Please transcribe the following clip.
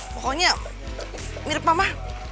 pokoknya mirip mama